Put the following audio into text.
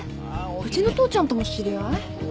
うちの父ちゃんとも知り合い？